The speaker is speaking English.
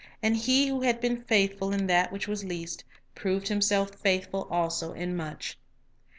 And he who had been faithful in that which was least, proved himself faithful also in much.